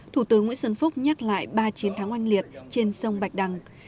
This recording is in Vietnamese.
thủ tướng nguyễn xuân phúc nhắc lại ba chiến thắng oanh liệt trên sông bạch đằng